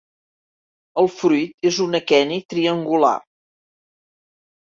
El fruit és un aqueni triangular.